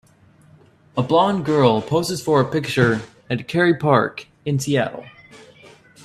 A blond girl poses for a picture at Kerry Park in Seattle.